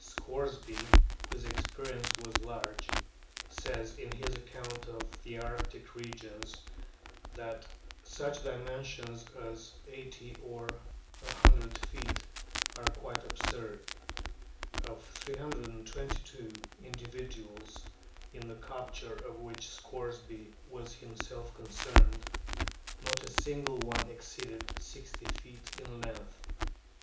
Scoresby, whose experience was large, says, in his Account of the Arctic Regions, that such dimensions as So or 100 feet are quite absurd; of 322 indi viduals, in the capture of which Scoresby was himself concerned, not a single one exceeded 60 feet in o lenath.